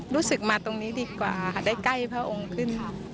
รู้สึกมาตรงนี้ดีกว่าค่ะได้ใกล้พระองค์ขึ้น